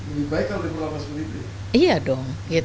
lebih baik kalau diperlakukan sendiri